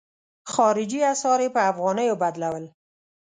خارجي اسعار یې په افغانیو بدلول.